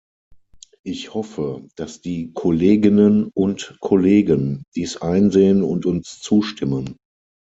Ich hoffe, dass die Kolleginnen und Kollegen dies einsehen und uns zustimmen.